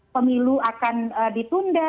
pemilu akan ditunda